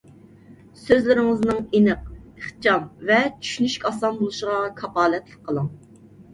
سۆزلىرىڭىزنىڭ ئېنىق، ئىخچام ۋە چۈشىنىشكە ئاسان بولۇشىغا كاپالەتلىك قىلىڭ.